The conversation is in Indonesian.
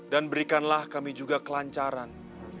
dan berikanlah kami juga kelancaran